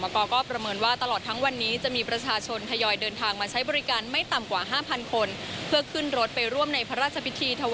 ไปร่วมในพระราชพิธีถวายพระเพิงพระบรมปศพ